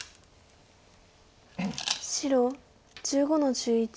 白１５の十一。